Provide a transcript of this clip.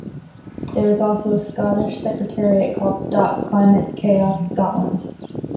There is also a Scottish secretariat called Stop Climate Chaos Scotland.